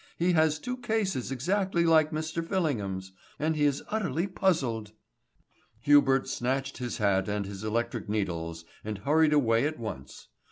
He has two cases exactly like Mr. Fillingham's, and he is utterly puzzled." Hubert snatched his hat and his electric needles, and hurried away at once.